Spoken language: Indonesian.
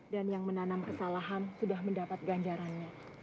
dan yang menanam kesalahan sudah mendapat ganjarannya